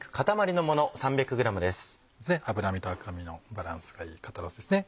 脂身と赤身のバランスがいい肩ロースですね。